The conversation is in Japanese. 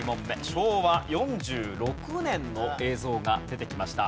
昭和４６年の映像が出てきました。